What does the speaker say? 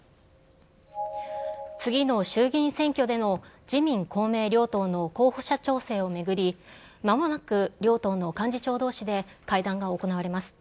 次の衆議院選挙での自民、公明両党の候補者調整を巡り、まもなく両党の幹事長どうしで会談が行われます。